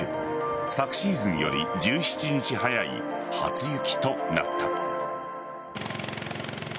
昨シーズンより１７日早い初雪となった。